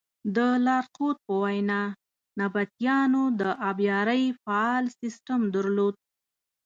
د لارښود په وینا نبطیانو د ابیارۍ فعال سیسټم درلود.